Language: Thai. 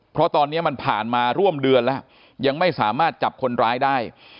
เพราะตอนนี้มันผ่านมาร่วมเดือนแล้วยังไม่สามารถจับคนร้ายได้